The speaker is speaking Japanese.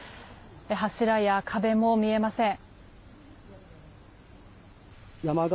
柱や壁も見えません。